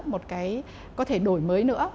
một cái có thể đổi mới nữa